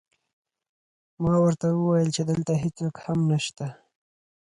ما ورته وویل چې دلته هېڅوک هم نشته